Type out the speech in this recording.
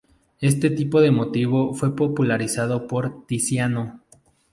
Este tipo de motivo fue popularizado por Tiziano.